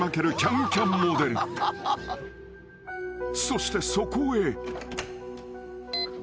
［そしてそこへ］